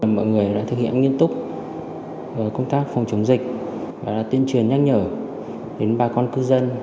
mọi người đã thực hiện nghiêm túc công tác phòng chống dịch và tuyên truyền nhắc nhở đến bà con cư dân